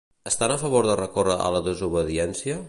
Estan a favor de recórrer a la desobediència?